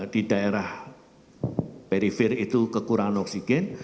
di daerah perifer itu kekurangan oksigen